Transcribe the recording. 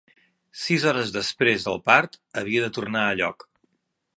Sis hores després del part havia de tornar a lloc.